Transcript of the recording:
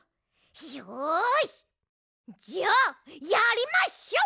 よしじゃあやりましょう！